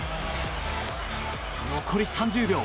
残り３０秒。